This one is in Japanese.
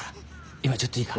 今ちょっといいか？